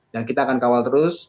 dan kita akan kawal terus